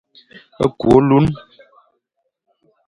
Kü ôlun,